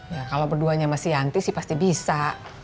ya kalau berduanya sama si yanti sih pasti bisa